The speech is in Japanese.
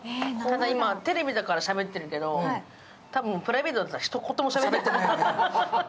テレビだからしゃべってるけど多分、プライベートだったらひと言もしゃべってないよね。